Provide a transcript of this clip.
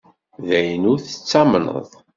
D ayen ur tettamneḍ!